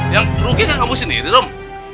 yang rugi kan kamu sendiri dong